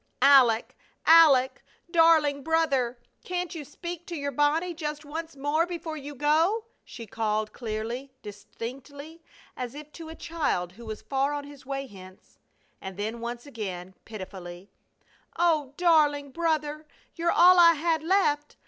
"Aleck! Aleck! Darling brother! Can't you speak to your Bonnie just once more before you go?" she called, clearly, distinctly, as if to a child who was far on his way hence. And then once again pitifully: "Oh, darling brother! You're all I had left!